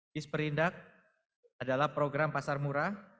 bis perindak adalah program pasar murah